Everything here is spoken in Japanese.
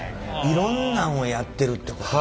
いろんなんをやってるってこと。